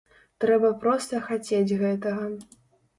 Трэба проста хацець гэтага.